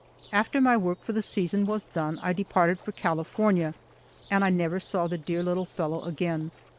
After my work for the season was done I departed for California, and I never saw the dear little fellow again.